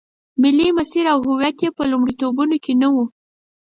ملي مسیر او هویت یې په لومړیتوبونو کې نه و.